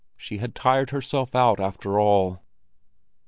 She had tired herself out, after all.